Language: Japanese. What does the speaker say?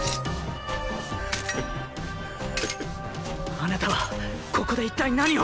あなたはここで一体何を！